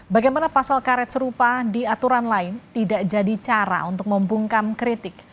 bagaimana pasal karet serupa di aturan lain tidak jadi cara untuk membungkam kritik